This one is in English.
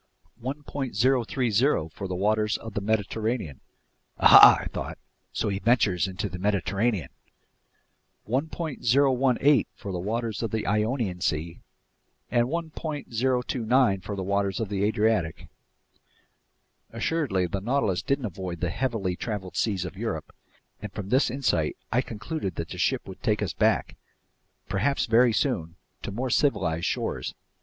030 for the waters of the Mediterranean—" Aha, I thought, so he ventures into the Mediterranean? "—1.018 for the waters of the Ionian Sea, and 1.029 for the waters of the Adriatic." Assuredly, the Nautilus didn't avoid the heavily traveled seas of Europe, and from this insight I concluded that the ship would take us back—perhaps very soon—to more civilized shores.